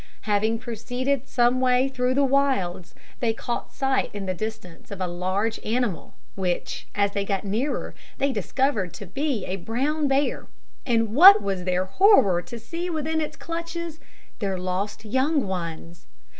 Having proceeded some way through the wilds, they caught sight in the distance of a large animal, which, as they got nearer, they discovered to be a brown bear; and what was their horror to see within its clutches their lost young ones!